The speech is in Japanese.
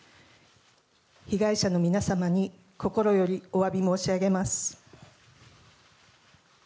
被害者の皆様に心よりお詫び申し上げます。